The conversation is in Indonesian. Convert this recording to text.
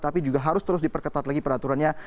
tapi juga harus terus diperketat lagi peraturannya